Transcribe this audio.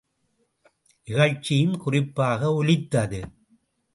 இகழ்ச்சியும் குறிப்பாக ஒலித்தது!